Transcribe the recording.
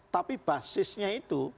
tapi basisnya itu